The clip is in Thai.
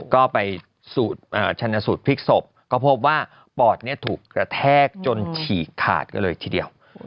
ก็ไปชนสูตรพลิกศพก็พบว่าปอดถูกกระแทกจนฉีกขาดกันเลยทีเดียว